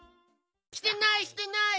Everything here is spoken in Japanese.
してないしてない。